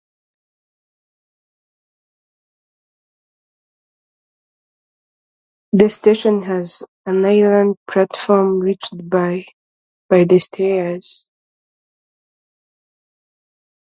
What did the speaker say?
The station has an island platform reached by stairs.